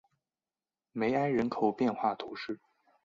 梅埃人口变化图示